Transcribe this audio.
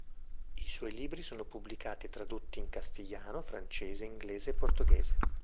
I suoi libri sono pubblicati e tradotti in castigliano, francese, inglese e portoghese.